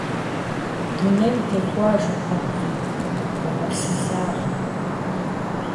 Дунейм техуэжыркъым фи угъурсызагъыр.